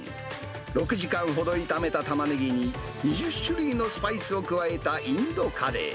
６時間ほど炒めたタマネギに、２０種類のスパイスを加えたインドカレー。